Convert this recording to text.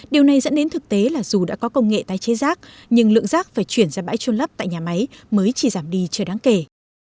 điều này dẫn đến thực tế là dù đã có công nghệ tái chế rác nhưng lượng rác phải chuyển ra bãi trôn lấp tại nhà máy mới chỉ giảm đi chưa đáng kể